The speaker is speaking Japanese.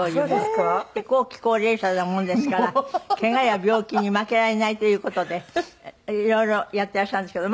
後期高齢者なものですからケガや病気に負けられないという事で色々やっていらっしゃるんですけど。